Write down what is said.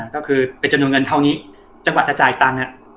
ก็คือไปจำนวนเงินเท่านี้จมัดจะจ่ายตังค์อะอ่า